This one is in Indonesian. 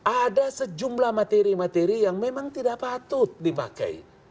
ada sejumlah materi materi yang memang tidak patut dipakai